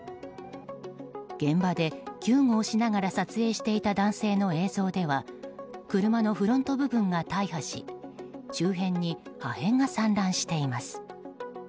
現場で救護をしながら撮影していた男性の映像では車のフロント部分が大破し周辺に破片が散乱しています。